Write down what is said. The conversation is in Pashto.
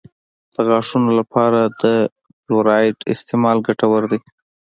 د غاښونو لپاره د فلورایډ استعمال ګټور دی.